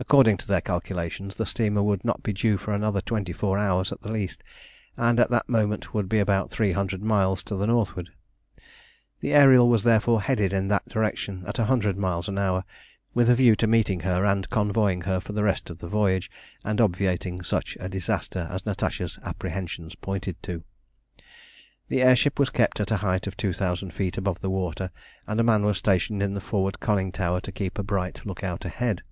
According to their calculations, the steamer would not be due for another twenty four hours at the least, and at that moment would be about three hundred miles to the northward. The Ariel was therefore headed in that direction, at a hundred miles an hour, with a view to meeting her and convoying her for the rest of her voyage, and obviating such a disaster as Natasha's apprehensions pointed to. The air ship was kept at a height of two thousand feet above the water, and a man was stationed in the forward conning tower to keep a bright look out ahead.